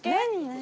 何？